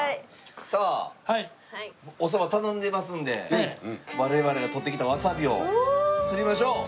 さあお蕎麦頼んでますので我々がとってきたわさびをすりましょう。